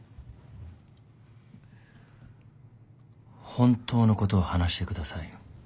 本当のことを話してください。